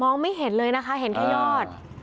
ไม่เห็นเลยนะคะเห็นแค่ยอด